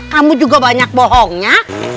kamu juga banyak bohongnya